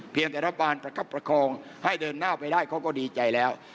เพียงแต่ระบาญประคับประคองให้เดินหน้าไปได้เขาก็ดีใจแล้ว